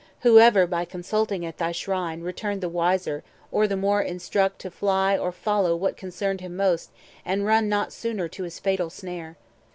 Who ever, by consulting at thy shrine, Returned the wiser, or the more instruct To fly or follow what concerned him most, 440 And run not sooner to his fatal snare?